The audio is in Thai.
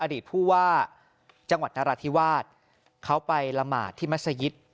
อดีตผู้ว่าจังหวัดนราธิวาสเขาไปละหมาดที่มัศยิต